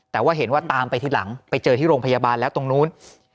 แต่ว่าเห็นว่าตามไปทีหลังไปเจอที่โรงพยาบาลแล้วตรงนู้น